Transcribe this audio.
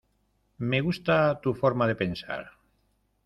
Me gusta tu forma de pensar.